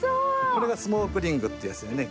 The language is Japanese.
これがスモークリングってやつでね。